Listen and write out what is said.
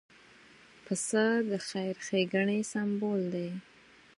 پسه د خیر ښېګڼې سمبول دی.